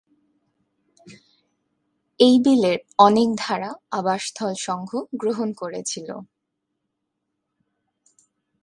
এই বিলের অনেক ধারা আবাসস্থল সংঘ গ্রহণ করেছিল।